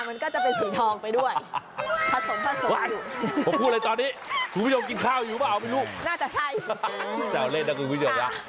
มันก็จะเป็นผีทองไปด้วย